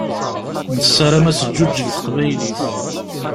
Nessaram ad teǧǧuǧeg teqbaylit.